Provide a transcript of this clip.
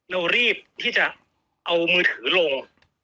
เรารีบที่จะเอามือถือลง